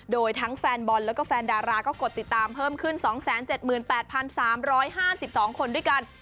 โดยทั้งแฟนบอลแล้วก็แฟนดาราก็กดติดตามเพิ่มขึ้น๒๗๘๓๕๒คนด้วยกัน